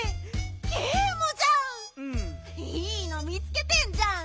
いいの見つけてんじゃん。